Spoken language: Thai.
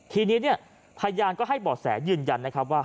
ทีนี้เนี่ยพยานก็ให้บ่อแสยืนยันนะครับว่า